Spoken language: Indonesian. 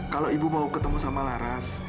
kalau ibu mau ketemu sama laras